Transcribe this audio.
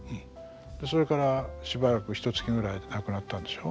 それからしばらくひとつきぐらいで亡くなったでしょ。